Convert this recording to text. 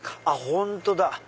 本当だ！